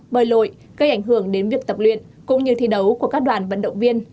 bơi lội gây ảnh hưởng đến việc tập luyện cũng như thi đấu của các đoàn vận động viên